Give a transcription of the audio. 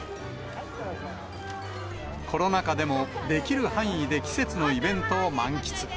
コロナ禍でも、できる範囲で季節のイベントを満喫。